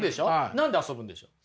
何で遊ぶんでしょう？